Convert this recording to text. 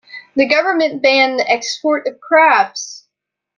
The government banned the export of crabs.